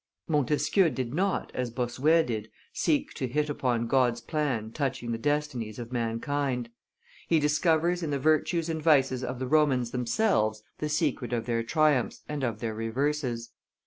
Montesquieu did not, as Bossuet did, seek to hit upon God's plan touching the destinies of mankind; he discovers in the virtues and vices of the Romans themselves the secret of their triumphs and of their reverses.